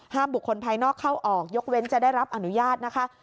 บุคคลภายนอกเข้าออกยกเว้นจะได้รับอนุญาตนะคะ